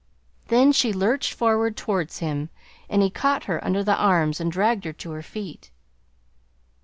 Then she lurched forward towards him, and he caught her under the arms and dragged her to her feet.